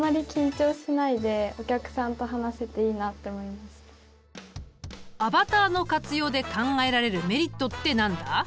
何かすごくアバターの活用で考えられるメリットって何だ？